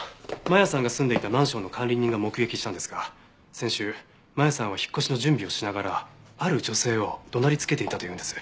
真弥さんが住んでいたマンションの管理人が目撃したんですが先週真弥さんは引っ越しの準備をしながらある女性を怒鳴りつけていたというんです。